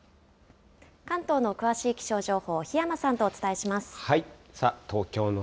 関東の詳しい気象情報、檜山さんとお伝えします。